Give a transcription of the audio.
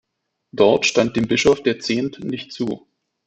Dort stand dem Bischof der Zehnt nicht zu.